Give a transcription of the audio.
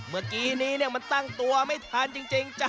เมื่อกี้นี้มันตั้งตัวไม่ทันจริงจ้ะ